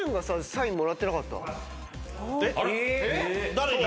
誰に？